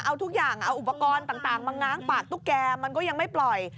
เอาอุปกรณ์ต่างมางางปากตุ๊กแกมันก็ยังไม่ปล่อย